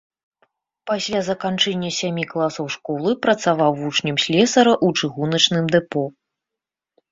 Пасля заканчэння сямі класаў школы працаваў вучнем слесара ў чыгуначным дэпо.